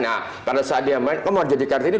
nah pada saat dia main kamu mau jadi kart ini